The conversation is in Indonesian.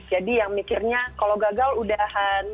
jadi yang mikirnya kalau gagal udahan